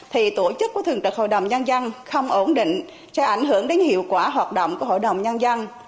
thì tổ chức của thường trực hội đồng nhân dân không ổn định sẽ ảnh hưởng đến hiệu quả hoạt động của hội đồng nhân dân